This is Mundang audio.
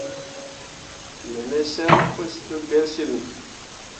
Me ne cem pu gbelsyimmi.